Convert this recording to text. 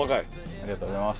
ありがとうございます。